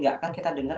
ga akan kita dengar